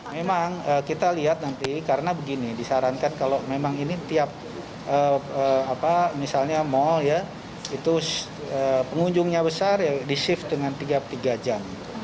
memang kita lihat nanti karena begini disarankan kalau memang ini tiap misalnya mal ya itu pengunjungnya besar ya di shift dengan tiga jam